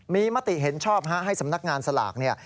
มีมติเห็นชอบให้สำนักงานสลากเนี่ย